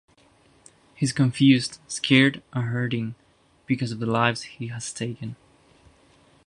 He is confused, scared and hurting because of the lives he has taken.